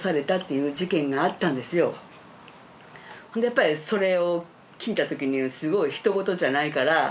やっぱりそれを聞いたときにすごいひとごとじゃないから。